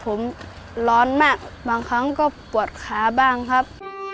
ผมร้อนมากบางครั้งก็ปวดขาบ้างครับ